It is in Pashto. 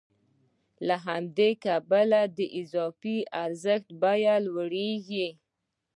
له همدې کبله د اضافي ارزښت بیه لوړېږي